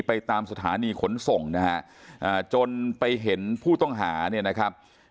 ไปตามสถานีขนส่งจนไปเห็นผู้ต้องหา